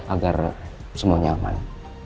agar semuanya aman